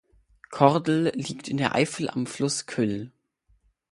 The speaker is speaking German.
Kordel liegt in der Eifel am Fluss Kyll.